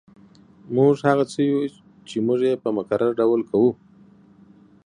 موږ هغه څه یو چې موږ یې په مکرر ډول کوو